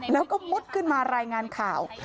แล้วก็มุดขึ้นมารายงานข่าว